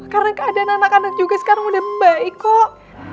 karena keadaan anak anak juga sekarang udah baik kok